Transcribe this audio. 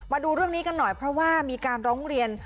มาดูเรื่องนี้กันหน่อยเพราะว่ามีการร้องเรียน